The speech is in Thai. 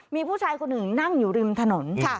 มีผู้ชายคนหนึ่งนั่งอยู่ริมถนน